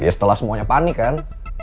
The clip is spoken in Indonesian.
ya setelah semuanya panik kan